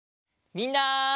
みんな。